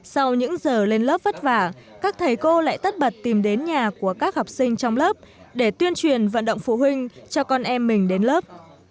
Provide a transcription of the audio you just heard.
sau những giờ lên lớp vất vả các thầy cô lại tất bật tìm đến nhà của các học sinh trong lớp để tuyên truyền vận động phụ huynh cho con em mình đến lớp